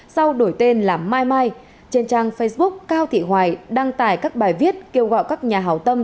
sau đổi tên là mai mai trên trang facebook cao thị hoài đăng tải các bài viết kêu gọi các nhà hảo tâm